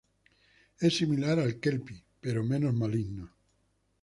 Es similar al kelpie, pero menos maligno.